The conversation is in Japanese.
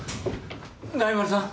大丸さん？